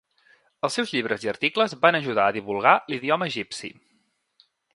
Els seus llibres i articles van ajudar a divulgar l'idioma egipci.